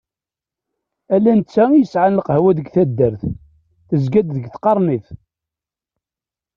Ala netta i yesɛan lqahwa deg taddart, tezga-d deg tqernit.